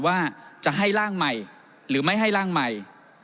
ว่าจะให้ร่างใหม่หรือไม่ให้ร่างใหม่